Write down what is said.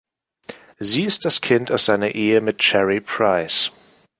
Sie ist das Kind aus seiner Ehe mit Cherry Price.